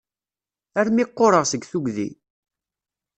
Armi qqureɣ seg tugdi!